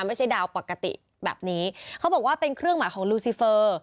ไม่ใช่ดาวปกติแบบนี้เขาบอกว่าเป็นเครื่องหมายของลูซีเฟอร์